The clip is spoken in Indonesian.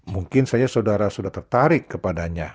mungkin saja saudara sudah tertarik kepadanya